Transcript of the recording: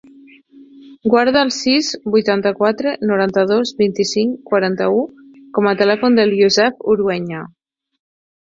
Guarda el sis, vuitanta-quatre, noranta-dos, vint-i-cinc, quaranta-u com a telèfon del Youssef Urueña.